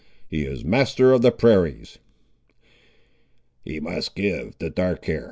He is master of the prairies." "He must give the dark hair."